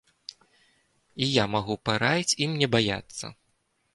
І я магу параіць ім не баяцца.